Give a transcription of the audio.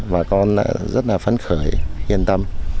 và con rất là phấn khởi yên tâm